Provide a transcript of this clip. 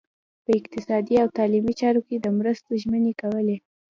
په اقتصادي او تعلیمي چارو کې د مرستو ژمنې کولې.